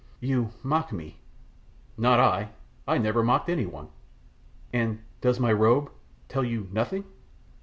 "You mock me." "Not I, I never mocked any one." "And does my robe tell you nothing?"